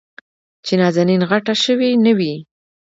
چې نازنين غټه شوې نه وي.